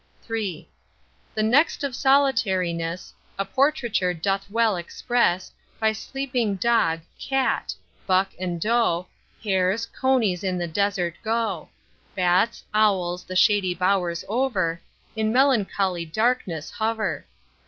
III. The next of solitariness, A portraiture doth well express, By sleeping dog, cat: Buck and Doe, Hares, Conies in the desert go: Bats, Owls the shady bowers over, In melancholy darkness hover.